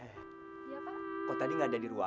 iya pak kok tadi gak ada di rumah